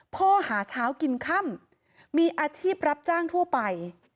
หาเช้ากินค่ำมีอาชีพรับจ้างทั่วไป